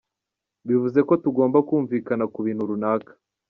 Bivuze ko tugomba kumvikana ku bintu runaka.